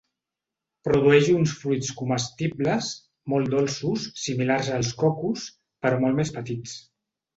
Produeix uns fruits comestibles, molt dolços, similars als cocos, però molt més petits.